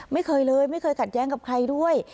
ไม่เคยเลยไม่เคยขัดแย้งกับใครด้วย